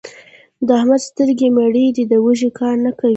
د احمد سترګې مړې دي؛ د وږي کار نه کوي.